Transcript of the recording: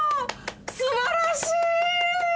すばらしい！